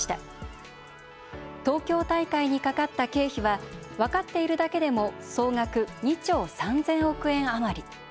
東京大会にかかった経費は分かっているだけでも総額２兆３，０００億円余り。